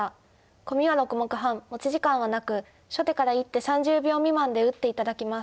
コミは６目半持ち時間はなく初手から１手３０秒未満で打って頂きます。